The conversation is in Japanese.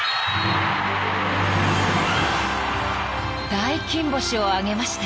［大金星を挙げました］